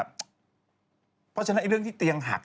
เพราะฉะนั้นเรื่องที่เตียงหัก